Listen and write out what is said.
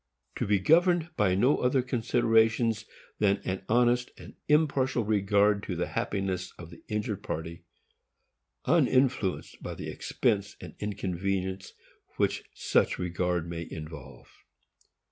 "To be governed by no other considerations than an honest and impartial regard to the happiness of the injured party, uninfluenced by the expense and inconvenience which such regard may involve."